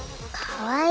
かわいい。